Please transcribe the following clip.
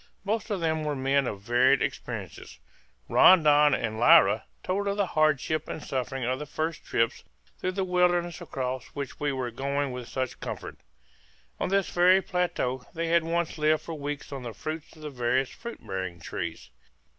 Most of them were men of varied experiences. Rondon and Lyra told of the hardship and suffering of the first trips through the wilderness across which we were going with such comfort. On this very plateau they had once lived for weeks on the fruits of the various fruit bearing trees.